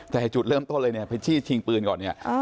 แต่จุดเริ่มต้นเลยเนี่ยไปจี้ชิงปืนก่อนเนี่ย